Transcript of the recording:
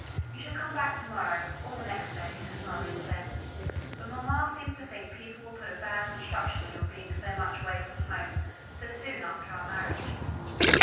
"You shall come back to morrow, or the next day," her father had said. "But mamma seems to think people will put a bad construction on your being so much away from home so soon after our marriage."